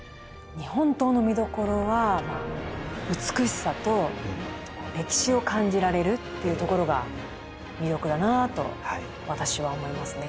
日本刀の見どころは美しさと歴史を感じられるというところが魅力だなと私は思いますね。